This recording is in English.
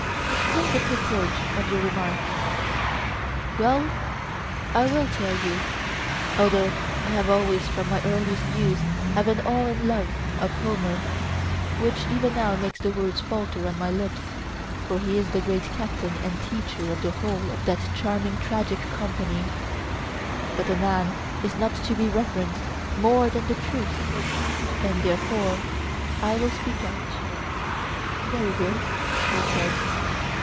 Explain the purport of your remark. Well, I will tell you, although I have always from my earliest youth had an awe and love of Homer, which even now makes the words falter on my lips, for he is the great captain and teacher of the whole of that charming tragic company; but a man is not to be reverenced more than the truth, and therefore I will speak out. Very good, he said.